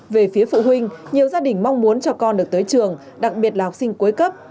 về phía phụ huynh nhiều gia đình mong muốn cho con được tới trường đặc biệt là học sinh cuối cấp